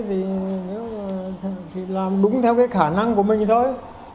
thì làm đúng theo cái khả năng của mình thôi